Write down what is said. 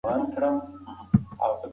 ژبه تاریخ ژوندی ساتي.